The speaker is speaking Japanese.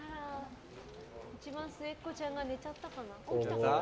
一番末っ子ちゃんが寝ちゃったかな。